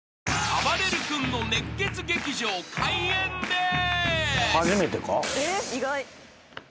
［あばれる君の熱血劇場開演です］